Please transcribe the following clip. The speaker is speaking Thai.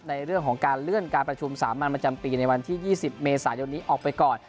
ในเรื่องของการเลื่อนการประชุมสามัญประจำปีในวันที่๒๐เมษายนนี้ออกไปก่อน